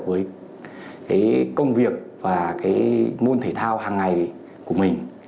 với công việc và môn thể thao hàng ngày của mình